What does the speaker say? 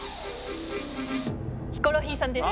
ヒコロヒーさんです。